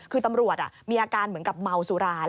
คือตำรวจมีอาการเหมือนกับเมาสุรา